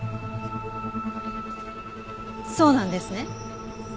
そうなんですね？